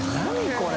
これ。